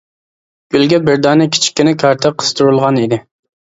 گۈلگە بىر دانە كىچىككىنە كارتا قىستۇرۇلغان ئىدى.